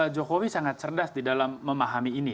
jokowi sangat cerdas di dalam memahami ini